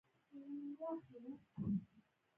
پړانګ د ژمي لپاره چمتووالی نیسي.